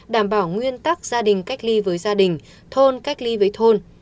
đảm bảo nguyên tắc gia đình cách ly với gia đình thôn cách ly với thôn